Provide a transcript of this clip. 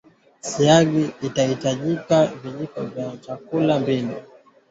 siagi itahitajika vijiko vya chakula mbili